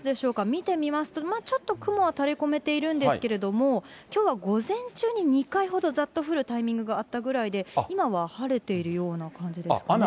見てみますと、ちょっと雲は垂れ込めているんですけれども、きょうは午前中に２回ほどざっと降るタイミングがあったぐらいで、今は晴れているような感じですかね。